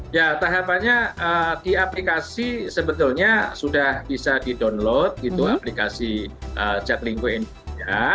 ya tahapannya di aplikasi sebetulnya sudah bisa di download gitu aplikasi jaklingko indonesia